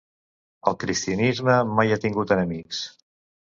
El cristianisme mai ha tingut enemics.